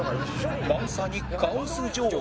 まさにカオス状態